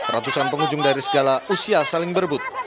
ratusan pengunjung dari segala usia saling berebut